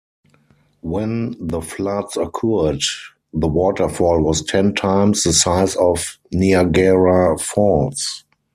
When the floods occurred, the waterfall was ten times the size of Niagara Falls.